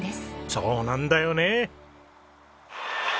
そうなんだよね。